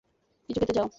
কিছু খেতে চাও?